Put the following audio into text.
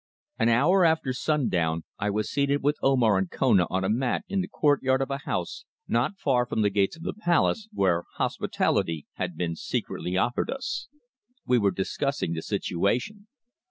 AN hour after sundown I was seated with Omar and Kona on a mat in the courtyard of a house not far from the gates of the palace, where hospitality had been secretly offered us. We were discussing the situation.